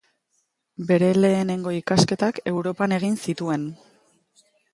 Bere lehenengo ikasketak Europan egin zituen.